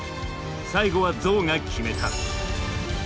最後はゾウが決めた。